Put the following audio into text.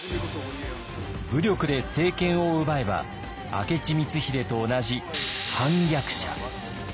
武力で政権を奪えば明智光秀と同じ反逆者。